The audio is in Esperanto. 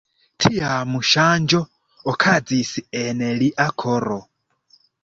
Tiam ŝanĝo okazis en lia koro.